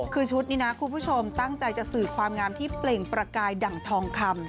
คือชุดนี้นะคุณผู้ชมตั้งใจจะสืบความงามที่เปล่งประกายดั่งทองคำ